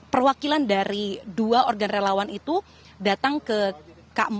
perwakilan dari dua organ relawan itu datang ke k empat